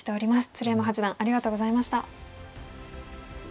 鶴山八段ありがとうございました。